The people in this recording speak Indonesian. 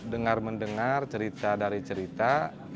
dengar mendengar cerita dari cerita